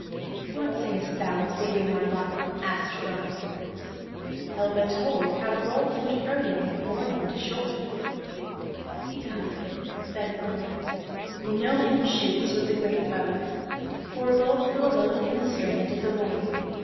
"What sayest thou of saving my life?" asked Grani. Helga told how Rolf and Frodi had borne him to shore. "Be comforted," said Grani. "No man shoots with the great bow, for Rolf, who alone can string it, is away.